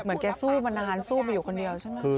แกสู้มานานสู้ไปอยู่คนเดียวใช่ไหม